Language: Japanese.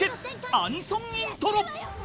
アニソンイントロ］